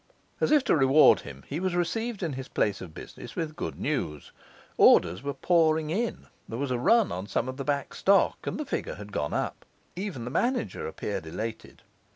As if to reward him, he was received in his place of business with good news. Orders were pouring in; there was a run on some of the back stock, and the figure had gone up. Even the manager appeared elated.